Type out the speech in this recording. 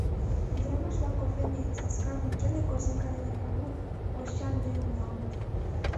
Ӱдырамаш-влак кофейный саскам келге корзинка дене кугу ош чан деке нумалыныт.